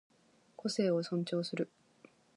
個性を尊重する